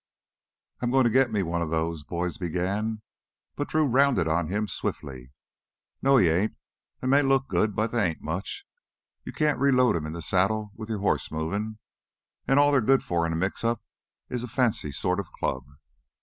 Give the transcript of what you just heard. "I'm goin' to get me one of those," Boyd began, but Drew rounded on him swiftly. "No, you ain't! They may look good, but they ain't much. You can't reload 'em in the saddle with your horse movin', and all they're good for in a mixup is a fancy sort of club."